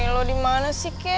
lo di mana sih key